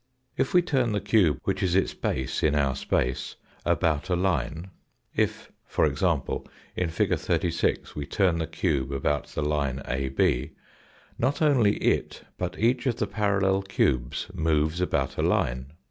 If we turn the cube which is its base in our space about a line, if, e.g., in fig. 36 we turn the cube about the line AB, not only it but each of the parallel cubes moves about a line.